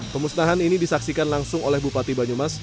pemusnahan ini disaksikan langsung oleh bupati banyumas